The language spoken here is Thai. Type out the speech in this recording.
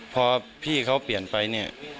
พอพี่เขาเปลี่ยนไปเนี่ย